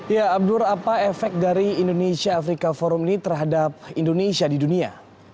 ya abdur apa efek dari indonesia afrika forum ini terhadap indonesia di dunia